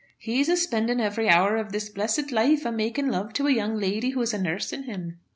"He's a spending every hour of his blessed life a making love to a young lady who is a nursing him."